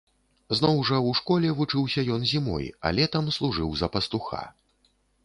Зноў жа ў школе вучыўся ён зімой, а летам служыў за пастуха.